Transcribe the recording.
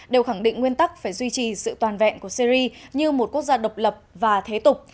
đều khẳng định nguyên tắc phải duy trì sự toàn vẹn của syri như một quốc gia độc lập và thế tục